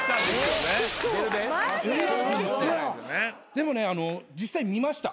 でもね実際見ました。